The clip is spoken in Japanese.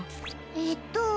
えっと。